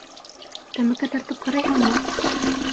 — Тәмәке тартып ҡарайһыңмы?